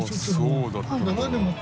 そうだったのか。